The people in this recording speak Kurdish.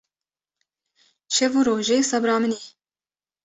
Şev û rojê sebra min î